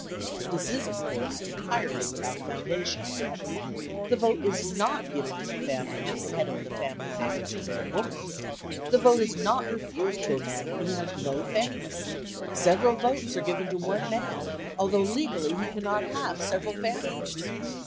This is, of course, entirely without foundation. The vote is not given to the family when the head of the family happens to be a woman; the vote is not refused to a man when he has no family; several votes are given to one man, although legally he cannot have several families.